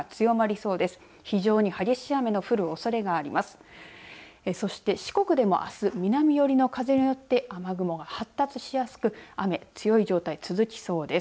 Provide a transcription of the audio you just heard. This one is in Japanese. そして、四国でもあす南寄りの風によって雨雲が発達しやすく雨、強い状態が続きそうです。